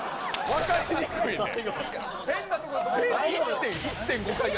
分かりにくいねん。